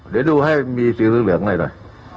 เดี๋ยวดูให้มีสีเหลืองหน่อย